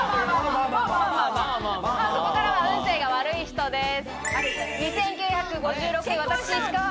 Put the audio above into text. ここからは運勢が悪い人です。